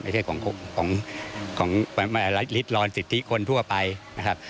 ไม่ใช่ของฤทร้อนสิทธิคนทั่วไปนะครับ